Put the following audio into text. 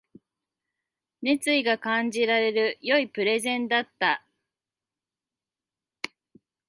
熱意が感じられる良いプレゼンだった